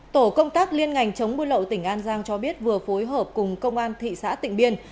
tổ công tác liên ngành chống buôn lậu tỉnh an giang cho biết vừa phối hợp cùng công an thị xã tịnh biên